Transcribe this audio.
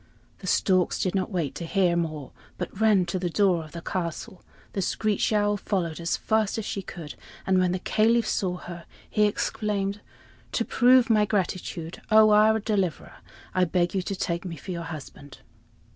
The storks did not wait to hear more, but ran to the door of the castle. The screech owl followed as fast as she could, and when the Caliph saw her he exclaimed: "To prove my gratitude, O our deliverer! I beg you to take me for your husband."